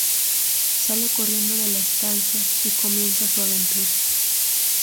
Sale corriendo de la estancia y comienza su aventura.